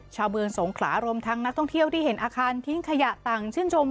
เมืองสงขลารวมทั้งนักท่องเที่ยวที่เห็นอาคารทิ้งขยะต่างชื่นชม